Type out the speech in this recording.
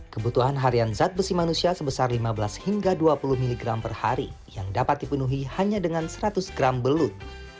kebutuhan harian zat besi manusia sebesar lima belas hingga dua puluh miligram per hari yang dapat dipenuhi hanya dengan seratus gram belut